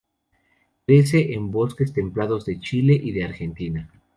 Crece en los bosques templados de Chile y de Argentina.